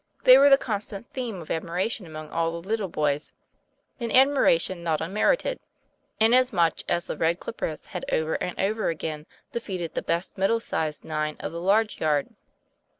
They were the constant theme of admiration among all the little boys, an admi ration not unmerited, inasmuch as the Red Clippers had over and over again defeated the best middle sized nine of the large yard.